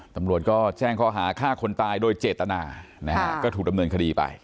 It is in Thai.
ตำรวจก็แจ้งข้อหาฆ่าคนตายโดยเจตนานะฮะก็ถูกดำเนินคดีไป